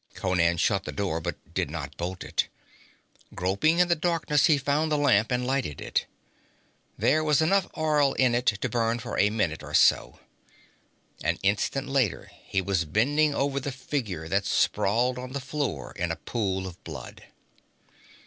Conan shut the door but did not bolt it. Groping in the darkness he found the lamp and lighted it. There was enough oil in it to burn for a minute or so. An instant later he was bending over the figure that sprawled on the floor in a pool of blood.